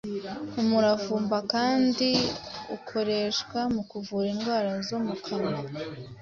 umuravumba kandi ukoreshwa mu kuvura indwara zo mu kanwa,